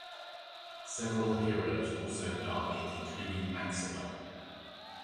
Several heroes also die including Maxima.